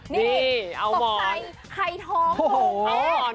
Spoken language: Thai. นี่เอาหมอนเป็นหายทอง